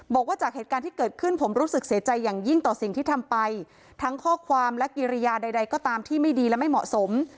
บอกว่าจากเหตุการณ์ที่เกิดขึ้นผมรู้สึกเสียใจอย่างยิ่งต่อสิ่งที่ทำไปทั้งข้อความและกิริยาใดก็ตามที่ไม่ดีและไม่เหมาะสม